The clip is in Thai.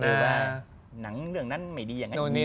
หรือว่าหนังเรื่องนั้นไม่ดีอย่างงี้อย่างงี้